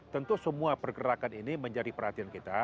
tentu semua pergerakan ini menjadi perhatian kita